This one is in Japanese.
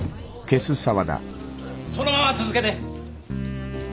そのまま続けて！